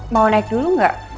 mau naik dulu gak